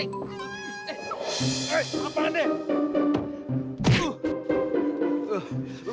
eh apaan deh